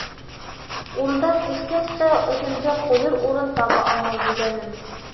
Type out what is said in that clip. Унда күскәс тә үҙемде ҡуйыр урын таба алмай йөҙәнем.